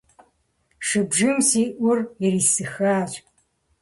Шыбжийм си ӏур ирисыхащ.